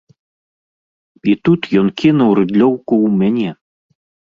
І тут ён кінуў рыдлёўку ў мяне.